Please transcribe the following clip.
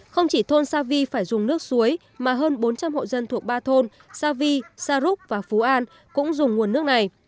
không chỉ thôn xa vi phải dùng nước suối mà hơn bốn trăm linh hộ dân thuộc ba thôn xa vi xa rúc và phú an cũng dùng nguồn nước này